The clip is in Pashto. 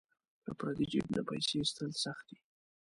له پردي جیب نه پیسې ایستل سخت دي.